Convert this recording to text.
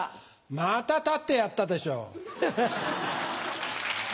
また立ってやったでしょ。